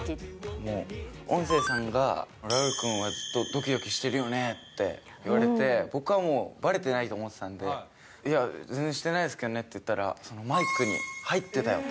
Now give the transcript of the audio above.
もう音声さんが、ラウール君はずっとどきどきしてるよねって言われて、僕はもうばれてないと思ってたんで、いや、全然してないですけどねって言ったら、マイクに入ってたよと。